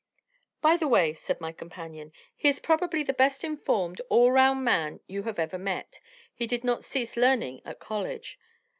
"By the way," said my companion, "he is probably the best informed, all round man you have ever met. He did not cease learning at college."